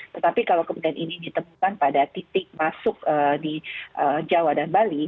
tetapi kalau kemudian ini ditemukan pada titik masuk di jawa dan bali